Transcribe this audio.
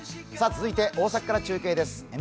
続いて大阪から中継です